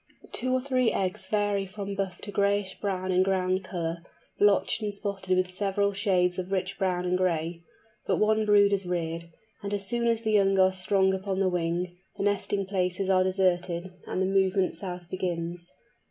The two or three eggs vary from buff to grayish brown in ground colour, blotched and spotted with several shades of rich brown and gray. But one brood is reared, and as soon as the young are strong upon the wing, the nesting places are deserted, and the movement south begins.